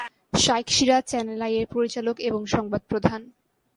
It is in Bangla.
শাইখ সিরাজ চ্যানেল আই এর পরিচালক এবং সংবাদ প্রধান।